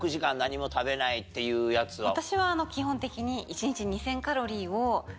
私は基本的に。